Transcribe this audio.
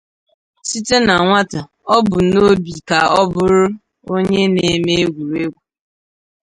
Site na nwata o bu n'obi ka ọ bụrụ onye na-eme egwuregwu.